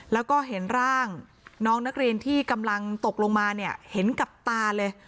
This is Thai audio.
แล้วก็เห็นร่างน้องนักเรียนที่กำลังตกลงมาเนี่ยเห็นกับตาเลย